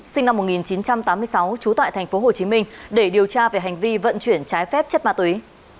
sinh năm một nghìn chín trăm tám mươi sáu trú tại tp hcm để điều tra về hành vi vận chuyển trái phép chất ma túy